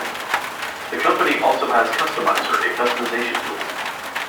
The company also has Customizer, a customization tool.